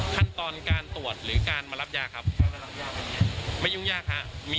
ขั้นตอนการตรวจหรือการมารับยาครับไม่ยุ่งยากครับ